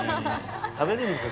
食べるんですか？